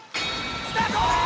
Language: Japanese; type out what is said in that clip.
スタート！